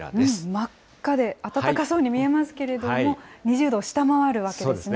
真っ赤で、暖かそうに見えますけれども、２０度を下回るわけそうですね。